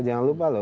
jangan lupa loh